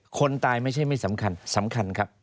คนตายไม่ใช่ไม่สำคัญสำคัญครับ